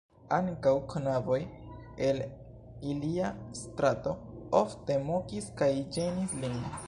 Ankaŭ knaboj el ilia strato ofte mokis kaj ĝenis lin.